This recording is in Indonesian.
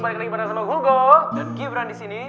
balik lagi bersama hugo dan gibran disini